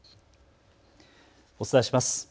お伝えします。